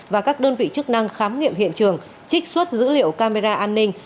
và các đơn vị chức năng khám nghiệm hiện trường trích xuất dữ liệu camera an ninh